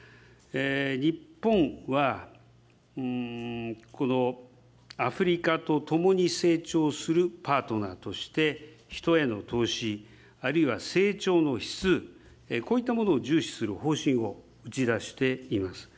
日本は、アフリカと共に成長するパートナーとして、人への投資、あるいは成長の指数、こういったものを重視する方針を打ち出しています。